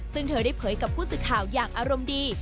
ซึ่งเธอได้เผยกับผู้สื่อข่าวอย่างอารมณ์ดี